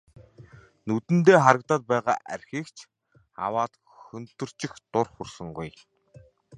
Нүдэндээ харагдаад байгаа архийг ч аваад хөнтөрчих дур хүрсэнгүй.